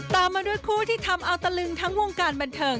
ตามมาด้วยคู่ที่ทำเอาตะลึงทั้งวงการบันเทิง